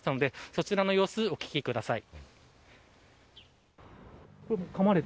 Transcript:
そちらの様子をお聞きください。